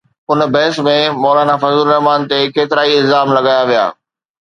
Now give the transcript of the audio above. ان بحث ۾ مولانا فضل الرحمان تي ڪيترائي الزام لڳايا ويا.